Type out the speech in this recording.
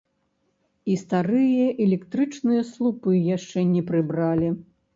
І старыя электрычныя слупы яшчэ не прыбралі.